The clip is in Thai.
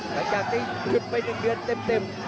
กระจักษีทิดไปเยือนเต็ม